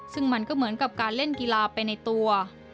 ซึ่งมันก็เหมือนกับการเล่นกีฬาไปในตัว